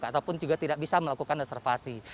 ataupun juga tidak bisa melakukan reservasi